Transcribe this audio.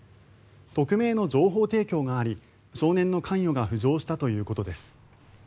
匿名の情報提供があり少年の関与が浮上したということです。